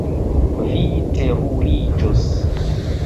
Vi teruriĝos.